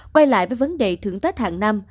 quay lại với vấn đề thưởng tết hàng năm